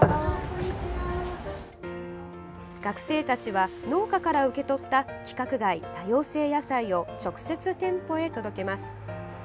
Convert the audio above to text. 学生たちは農家から受け取った規格外・多様性野菜を直接、店舗へ届けます。